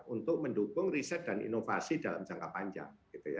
untuk mendukung riset dan inovasi dalam jangka panjang